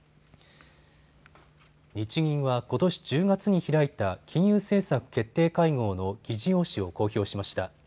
日銀はことし１０月に開いた金融政策決定会合の議事要旨を公表しました。